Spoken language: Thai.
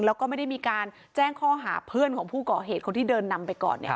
แล้วก็ไม่ได้มีการแจ้งข้อหาเพื่อนของผู้ก่อเหตุคนที่เดินนำไปก่อน